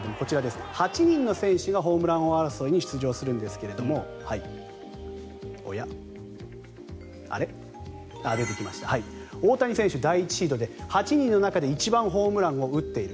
８人の選手がホームラン王争いに出場するんですが大谷選手、第１シードで８人の中で一番ホームランを打っている。